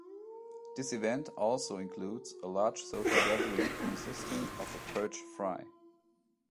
This event also includes a large social gathering consisting of a "perch fry".